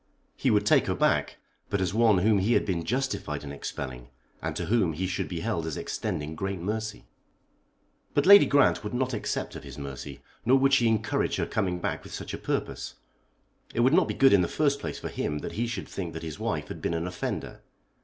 He would take her back, but as one whom he had been justified in expelling, and to whom he should be held as extending great mercy. But Lady Grant would not accept of his mercy, nor would she encourage her coming back with such a purpose. It would not be good in the first place for him that he should think that his wife had been an offender.